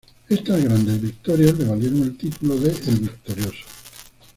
Estas grandes victorias le valieron el título de "El Victorioso".